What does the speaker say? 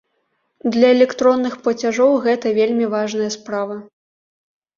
Для электронных плацяжоў гэта вельмі важная справа.